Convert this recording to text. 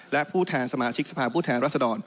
และผู้แทนสมาชิกสภาพผู้แทนรัศดร